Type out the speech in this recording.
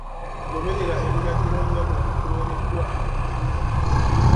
Goberera ebiragiro nga bwe bikuweereddwa abamanyi.